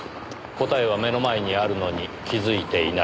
答えは目の前にあるのに気づいていない。